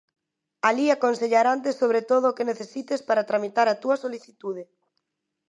Alí aconsellarante sobre todo o que necesites para tramitar a túa solicitude.